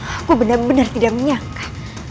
aku benar benar tidak menyangka